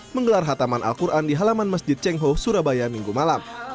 menggelar hataman al quran di halaman masjid cengho surabaya minggu malam